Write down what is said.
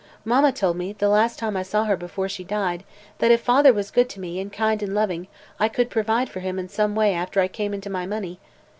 Mamma told me, the last time I saw her before she died, that if father was good to me, and kind and loving, I could provide for him in some way after I came into my money.